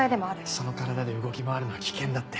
その体で動き回るのは危険だって。